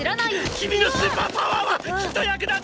君のスーパーパワーはきっと役立つ！！